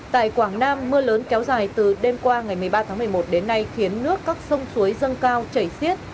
tại quảng nam mưa lớn kéo dài từ đêm qua ngày một mươi ba tháng một mươi một đến nay khiến nước các sông suối dâng cao chảy xiết